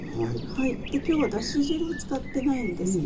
できょうはだし汁を使ってないんですね。